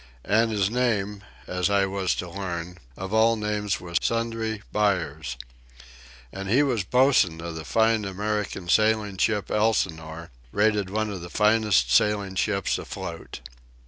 And his name, as I was to learn, of all names was Sundry Buyers. And he was bosun of the fine American sailing ship Elsinore—rated one of the finest sailing ships afloat!